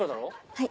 はい。